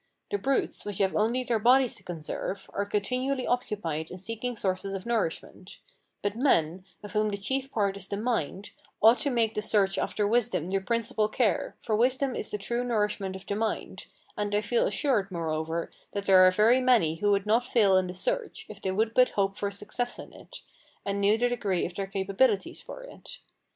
The brutes, which have only their bodies to conserve, are continually occupied in seeking sources of nourishment; but men, of whom the chief part is the mind, ought to make the search after wisdom their principal care, for wisdom is the true nourishment of the mind; and I feel assured, moreover, that there are very many who would not fail in the search, if they would but hope for success in it, and knew the degree of their capabilities for it.